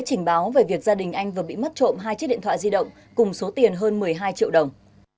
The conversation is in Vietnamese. trình báo về việc gia đình anh vừa bị mất trộm hai chiếc điện thoại di động cùng số tiền hơn một mươi hai triệu đồng